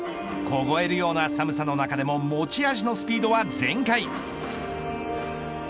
凍えるような寒さの中でも持ち味のスピードは全開。